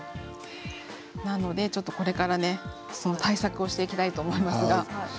なので、これから対策をしていきたいと思います。